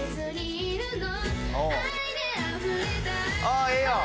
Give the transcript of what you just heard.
ああええやん！